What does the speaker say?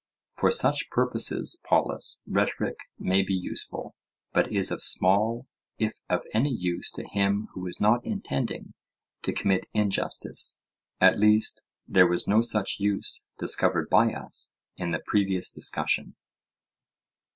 For such purposes, Polus, rhetoric may be useful, but is of small if of any use to him who is not intending to commit injustice; at least, there was no such use discovered by us in the previous discussion.